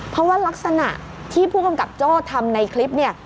เพราะว่ารักษณะที่ผู้กำกับโจ้ทำในคลิปเนี่ย